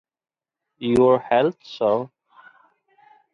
Your health, sir.